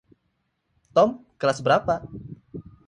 Tom kelas berapa?